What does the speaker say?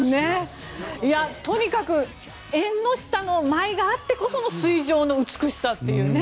とにかく縁の下の舞があってこその水上の美しさというね。